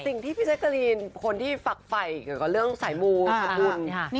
สิ่งที่พี่เจ๊กรีนคนที่ฝักไฟเรื่องสายมูลคุณ